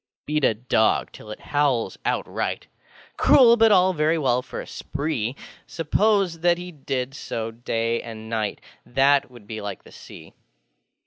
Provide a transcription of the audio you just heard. Beat a dog till it howls outrightŌĆö Cruel, but all very well for a spree: Suppose that he did so day and night, That would be like the Sea.